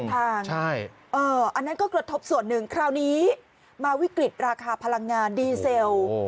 อันนั้นก็กระทบส่วนหนึ่งคราวนี้มาวิกฤตราคาพลังงานดีเซล